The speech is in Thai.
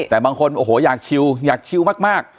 แต่บางคนโอ้โหอยากชิวอยากชิวมาก